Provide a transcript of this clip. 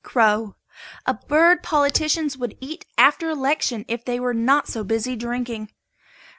CROW. A bird politicians would eat after election if they were not so busy drinking.